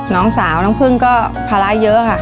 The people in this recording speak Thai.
น้องสาวน้องพึ่งก็ภาระเยอะค่ะ